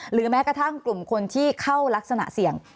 แม้กระทั่งกลุ่มคนที่เข้ารักษณะเสี่ยง